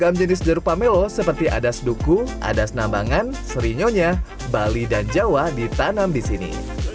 setiap jenis jeruk pamelo seperti adas duku adas nambangan serinyonya bali dan jawa ditanam di sini